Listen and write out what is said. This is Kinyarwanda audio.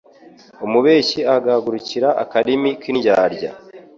umubeshyi agahugukira akarimi k’indyarya